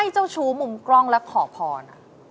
เจ้าชู้มุมกล้องแล้วขอพร